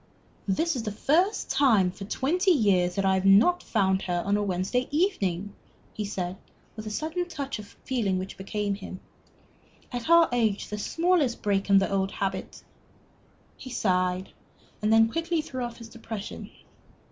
"This is the first time for twenty years that I have not found her on a Wednesday evening," he said, with a sudden touch of feeling which became him. "At our age, the smallest break in the old habit " He sighed, and then quickly threw off his depression.